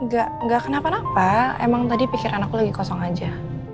gak kenapa napa emang tadi pikiran aku lagi kosong aja